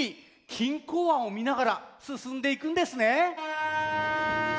錦江湾をみながらすすんでいくんですね。